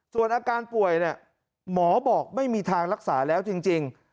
ส่วนอาการป่วยเนี่ยหมอบอกไม่มีทางรักษาแล้วจริง